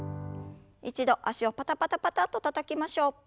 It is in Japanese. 一度脚をパタパタパタッとたたきましょう。